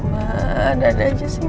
wah ada aja sih